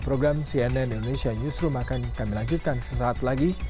program cnn indonesia newsroom akan kami lanjutkan sesaat lagi